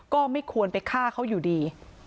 ก็ไม่ควรไปฆ่าเขาอยู่ดี